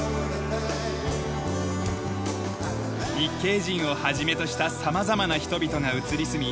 日系人を始めとした様々な人々が移り住み